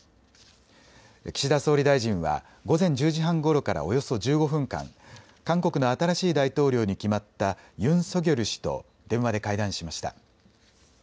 岸田総理大臣は午前１０時半ごろからおよそ１５分間、韓国の新しい大統領に決まったユン・ソギョル氏と電話で会談しました。